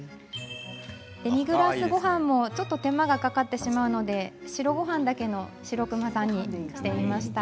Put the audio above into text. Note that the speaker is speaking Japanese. デミグラスごはんも手間がかかるので白ごはんだけの白くまさんにしてみました。